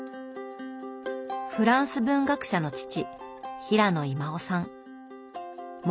フランス文学者の父平野威馬雄さん。